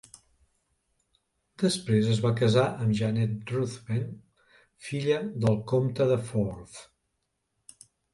Després es va casar amb Janet Ruthven, filla del comte de Forth.